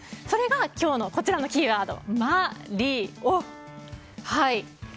それが今日のこちらのキーワード「マリオ」。